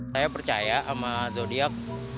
saya percaya sama zodiac